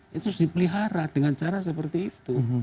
itu harus dipelihara dengan cara seperti itu